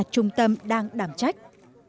trung tâm đang đảm trách